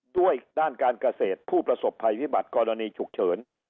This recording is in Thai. ด้วยด้านการเกษตรผู้ประสบภัยพิบัติกรณีฉุกเฉิน